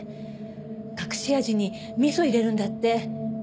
隠し味に味噌入れるんだって。